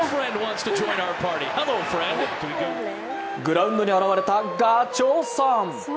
グラウンドに現れたがちょうさん。